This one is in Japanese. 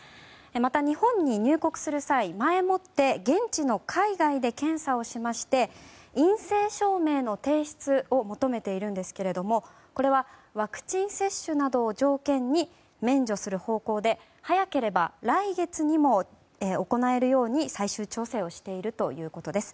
また、日本に入国する際前もって現地の海外で検査をして陰性証明の提出を求めているんですがこれはワクチン接種などを条件に免除する方向で早ければ来月にも行えるように最終調整をしているということです。